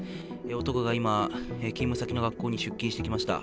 男が今、勤務先の学校に出勤してきました。